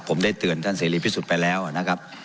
ผมได้เตือนท่านเสรีพิสุทธิ์ไปแล้วนะครับ